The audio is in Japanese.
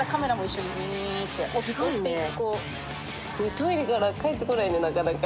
トイレから帰ってこないねなかなか。